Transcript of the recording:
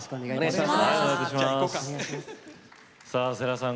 世良さん